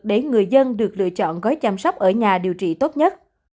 để người dân được lựa chọn gói chăm sóc ở nhà điều trị tốt nhất